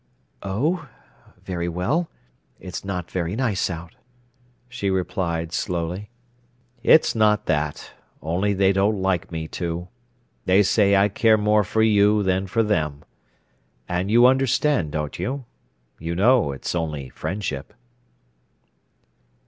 "Oh, very well; it's not very nice out," she replied slowly. "It's not that—only they don't like me to. They say I care more for you than for them. And you understand, don't you? You know it's only friendship."